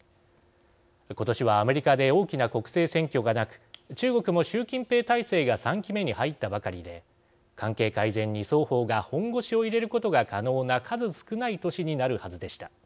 今年はアメリカで大きな国政選挙がなく中国も習近平体制が３期目に入ったばかりで関係改善に双方が本腰を入れることが可能な数少ない年になるはずでした。